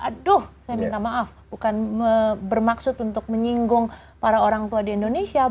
aduh saya minta maaf bukan bermaksud untuk menyinggung para orang tua di indonesia